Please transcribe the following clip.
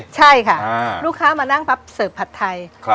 ใช่ค่ะลูกค้ามานั่งปั๊บเสิร์ฟผัดไทย